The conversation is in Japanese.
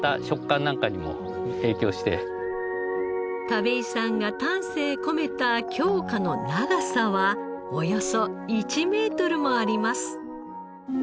田部井さんが丹精込めた京香の長さはおよそ１メートルもあります。